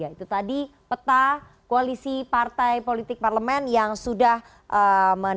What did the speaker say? ya itu tadi peta koalisi partai politik parlemen yang sudah menentukan